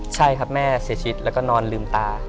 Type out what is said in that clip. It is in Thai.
ใช่ครับแม่เสียชีวิตแล้วก็นอนลืมตา